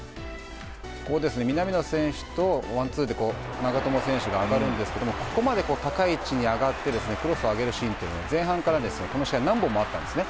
南野選手とワンツーで長友選手が上がるんですけどここまで高い位置に上がってクロスを上げるシーンというのは前半からこの試合は何本もあったんですね。